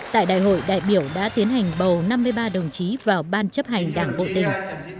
tại đại hội đại biểu đã tiến hành bầu năm mươi ba đồng chí vào ban chấp hành đảng bộ tỉnh